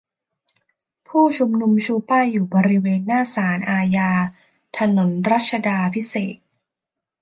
ผู้ชุมนุมชูป้ายอยู่บริเวณหน้าศาลอาญา ถนนรัชาดาภิเษก